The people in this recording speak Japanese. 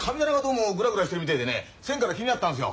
先から気になってたんすよ。